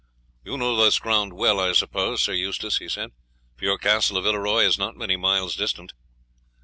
"You know this ground well, I suppose, Sir Eustace," he said, "for your Castle of Villeroy is not many miles distant?"